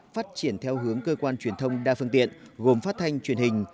phát triển theo hướng cơ quan truyền thông đa phương tiện gồm phát thanh truyền hình